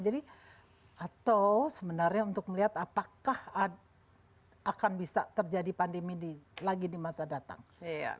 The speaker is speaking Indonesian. jadi atau sebenarnya untuk melihat apakah akan bisa terjadi pandemi lagi di masyarakat